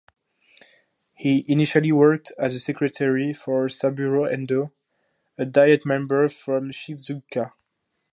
He initially worked as secretary for Saburo Endo, a Diet member from Shizuoka.